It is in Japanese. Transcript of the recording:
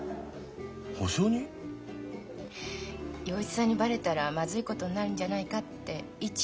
洋一さんにバレたらまずいことになるんじゃないかって一応は止めたのよ。